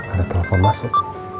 ada telepon masuk